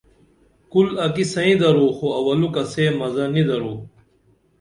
کُل اکی سئیں درو خو اولُکہ سے مزہ نی درو